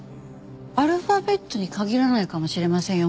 アルファベットに限らないかもしれませんよ。